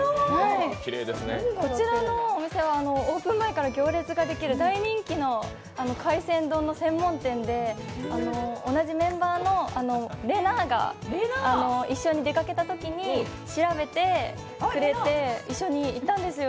こちらのお店はオープン前から行列ができる大人気の海鮮丼の専門店で、同じメンバーのれなぁが一緒に出かけたときに調べてくれて、一緒に行ったんですよ。